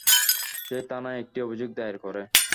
সে থানায় একটি অভিযোগ দায়ের করে।